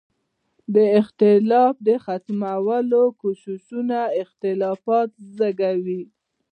د اختلاف د ختمولو کوششونه اختلافات زېږوي.